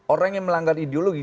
orang yang melanggar ideologi